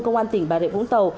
công an tỉnh bà rượu vũng tàu